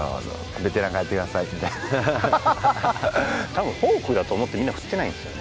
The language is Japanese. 多分フォークだと思ってみんな振ってないんですよね。